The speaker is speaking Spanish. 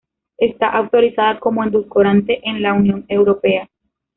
Está autorizada como edulcorante en la Unión Europea.